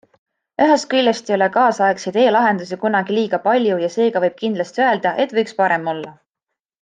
Ühest küljest ei ole kaasaegseid e-lahendusi kunagi liiga palju ja seega võib kindlasti öelda, et võiks parem olla.